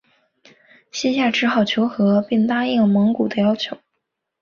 西夏只好求和并答应蒙古的要求。